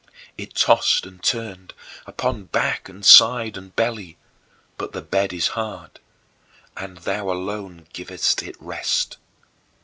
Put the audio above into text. It tossed and turned, upon back and side and belly but the bed is hard, and thou alone givest it rest.